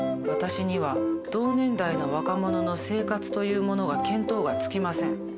私には同年代の若者の生活というものが見当がつきません。